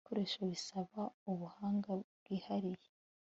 ibikoresho bisaba ubuhanga bwihariye